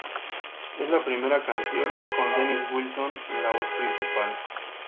Es la primera canción con Dennis Wilson en la voz principal.